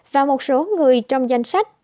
và một số người trong danh sách